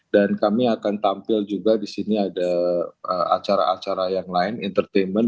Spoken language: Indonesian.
dan kami akan tampil juga di sini ada acara acara yang lain entertainment